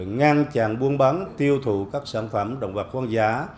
ngăn chàng buôn bắn tiêu thụ các sản phẩm động vật quân giá